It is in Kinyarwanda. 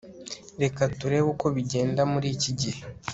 reka turebe uko bigenda muriki gihe